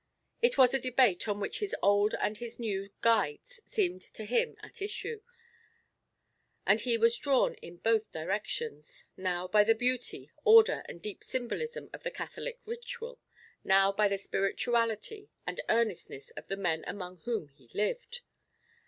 It was a debate on which his old and his new guides seemed to him at issue, and he was drawn in both directions—now by the beauty, order, and deep symbolism of the Catholic ritual, now by the spirituality and earnestness of the men among whom he lived.